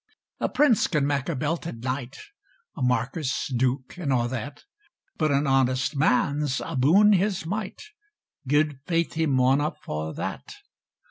A prince can mak a belted knight, A marquis, duke, and a' that; But an honest man's aboon his might, Guid faith he mauna fa' that!